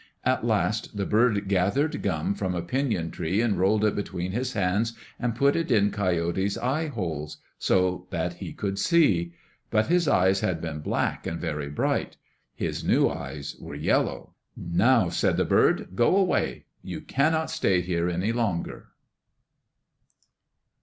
At last the bird gathered gum from a pinon tree and rolled it between his hands and put it in Coyote's eye holes, so that he could see. But his eyes had been black and very bright. His new eyes were yellow. "Now," said the bird, it "go away. You cannot stay here any longer."